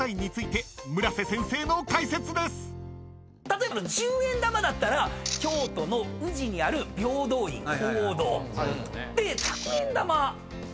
例えば１０円玉だったら京都の宇治にある平等院鳳凰堂。で１００円玉。